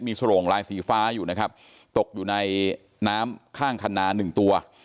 มีสโรงลายสีฟ้าอยู่นะครับตกอยู่ในน้ำข้างคันนาหนึ่งตัว